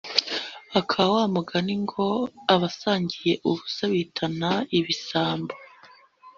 Aka wa mugani ngo Abasangiye ubusa bitana ibisambo